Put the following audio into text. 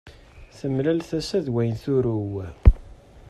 Temlal tasa d way turew